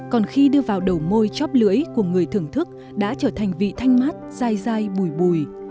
còn khi đưa vào đầu môi chóp lưỡi của người thưởng thức đã trở thành vị thanh mát dai dai bùi